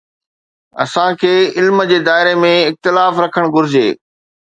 اسان کي علم جي دائري ۾ اختلاف رکڻ گهرجي.